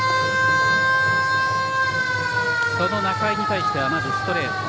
その仲井に対してまずストレート。